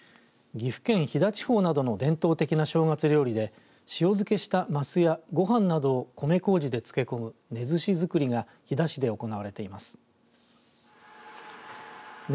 岐阜県飛騨地方などの伝統的な正月料理で塩漬けした、ますやごはんなどを米こうじで漬け込むねずしづくりが飛騨市で行われています。ね